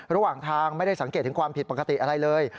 ระหว่างทางไม่ได้สังเกตถึงความผิดปกติอะไรเลย